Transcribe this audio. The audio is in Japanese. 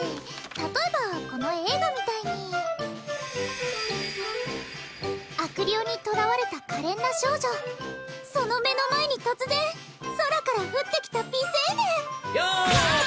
例えばこの映画みたいに悪霊にとらわれたかれんな少女その目の前に突然空から降ってきた美青年ヤーッ！